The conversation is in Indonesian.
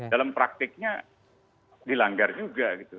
dalam praktiknya dilanggar juga gitu